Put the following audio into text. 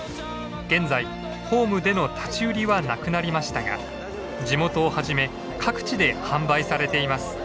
現在ホームでの立ち売りはなくなりましたが地元をはじめ各地で販売されています。